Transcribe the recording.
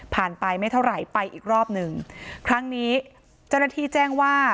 ไปไม่เท่าไหร่ไปอีกรอบหนึ่งครั้งนี้เจ้าหน้าที่แจ้งว่า